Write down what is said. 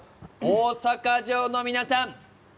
大阪城の皆さん